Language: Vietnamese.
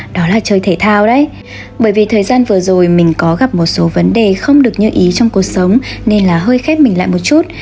đó là chơi thể thao đấy bởi vì thời gian vừa rồi mình có gặp một số vấn đề không được như ý trong cuộc sống nên là hơi khép mình lại một chút